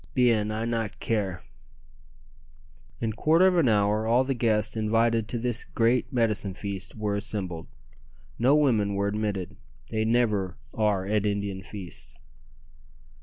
"Bien, I not care!" In quarter of an hour all the guests invited to this great "medicine feast" were assembled. No women were admitted. They never are at Indian feasts.